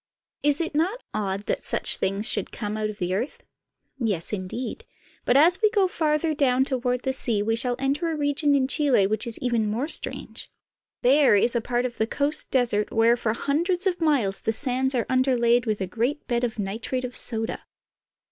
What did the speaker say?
Is it not odd that such things should come out of the earth ? Yes, indeed ; but as we go farther down toward the sea we shall enter a region in Chile which is even more strange. There is a part of the coast desert where for hundreds of miles the sands are underlaid with a great bed of nitrate of soda.